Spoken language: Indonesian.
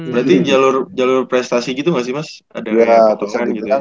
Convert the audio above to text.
berarti jalur prestasi gitu gak sih mas